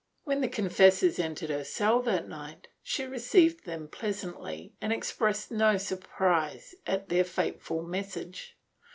When the confessors entered her cell that night, she received them pleas antly and expressed no surprise at their fateful message.